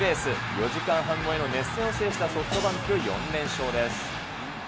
４時間半超えの熱戦を制したソフトバンク、４連勝です。